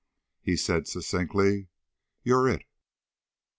He said succinctly. "You're it."